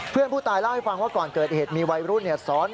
เพื่อนผู้ตายเล่าให้ฟังว่าก่อนเกิดเหตุมีวัยรุ่นซ้อน